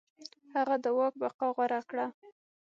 هغه د واک بقا غوره کړه.